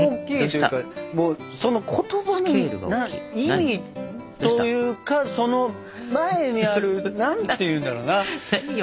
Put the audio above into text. その言葉の意味というかその前にある何て言うんだろうな。